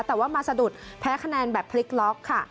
แต่ว่ามาสะดุดแพ้คะแนนแบบพลิกล็อกค่ะ